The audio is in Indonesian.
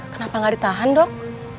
kenapa gak ditahan dok